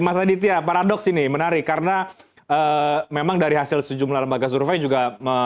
mas aditya paradoks ini menarik karena memang dari hasil sejumlah lembaga survei juga